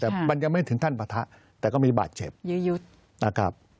แต่มันยังไม่ถึงท่านปะทะแต่เขามีบาดเจ็บ